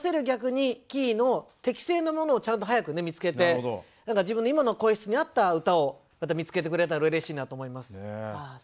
逆にキーの適正のものをちゃんと早くね見つけて何か自分の今の声質に合った歌をまた見つけてくれたらうれしいなと思います。